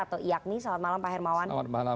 selamat malam pak hermawan